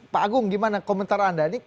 pak agung gimana komentar anda ini